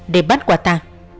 để bắt quả ta